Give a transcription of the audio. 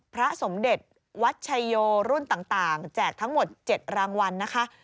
พระสมเด็จวัดชัยโยรุ่นต่างแจกทั้งหมด๗รางวัลนะคะ